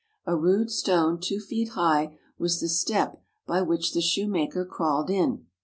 A rude stone two feet high was the step by which the shoemaker crawled in.